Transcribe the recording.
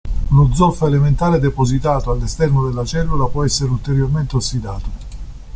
Lo zolfo elementare depositato all'esterno della cellula può essere ulteriormente ossidato.